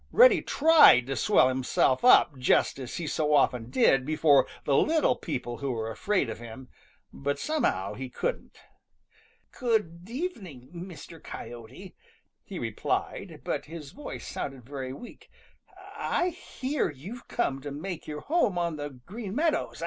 Reddy tried to swell himself up just as he so often did before the little people who were afraid of him, but somehow he couldn't. "Go good evening, Mr. Coyote," he replied, but his voice sounded very weak. "I hear you've come to make your home on the Green Meadows.